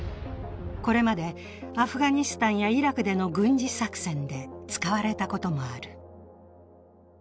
これまでアフガニスタンやイラクでの軍事作戦で使われたこともある。